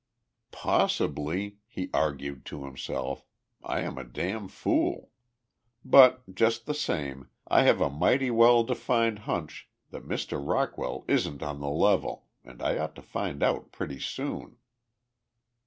"Possibly," he argued to himself, "I am a damn fool. But just the same, I have a mighty well defined hunch that Mr. Rockwell isn't on the level, and I ought to find out pretty soon."